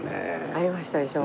ありましたでしょ？